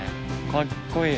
かっこいい！